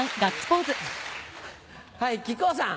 はい木久扇さん。